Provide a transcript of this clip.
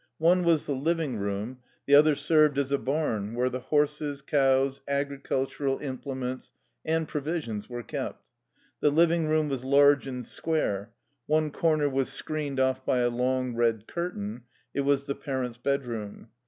One was the living room, the other served as a barn where the horses, cows, agricultural implements, and pro visions were kept. The living room was large and square. One corner was screened off by a long, red curtain. It was the parents' bedroom.